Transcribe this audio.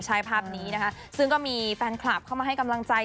ใช่ภาพนี้นะคะซึ่งก็มีแฟนคลับเข้ามาให้กำลังใจ